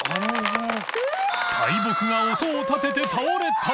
臾擇音を立てて倒れた！